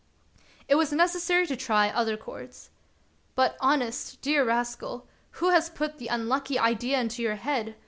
It was necessary to try other chords. " But, honest, dear Rascal, who has put the unlucky idea into your head